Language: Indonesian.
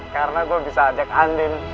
karena gue bisa ajak andin